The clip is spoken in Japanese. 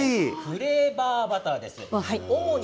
フレーバーバターです。